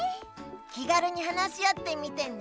気がるに話し合ってみてね。